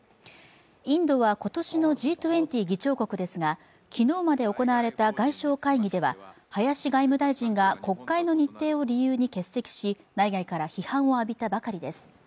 インドは今年のＧ２０議長国ですが昨日まで行われた外相会議では林外務大臣が国会の日程を理由に欠席し、内外から批判を浴びたばかりです。